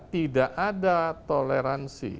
tidak ada toleransi